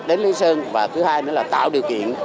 đến lý sơn và thứ hai nữa là tạo điều kiện